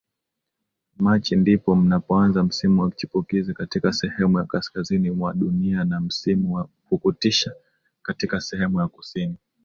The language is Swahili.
Machi ndipo mnapoanza msimu wa chipukizi katika sehemu ya Kaskazini mwa dunia na msimu wa pukutisha katika sehemu ya Kusini